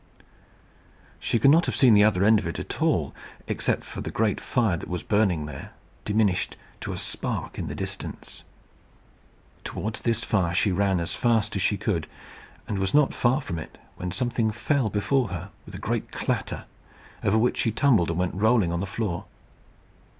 She could not have seen the other end of it at all, except for the great fire that was burning there, diminished to a spark in the distance. Towards this fire she ran as fast as she could, and was not far from it when something fell before her with a great clatter, over which she tumbled, and went rolling on the floor.